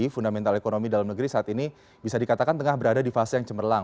fundamental ekonomi dalam negeri saat ini bisa dikatakan tengah berada di fase yang cemerlang